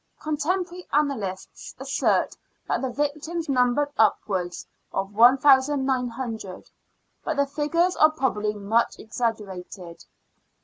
Con temporary annalists assert that the victims numbered upwards of 1,900, but the figures are probably much exaggerated.